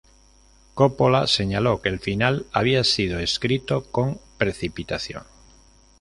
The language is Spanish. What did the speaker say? Coppola señaló que el final había sido escrito con precipitación.